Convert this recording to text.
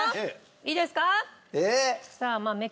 いいですか？